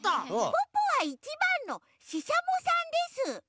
ポッポは１ばんのししゃもさんです。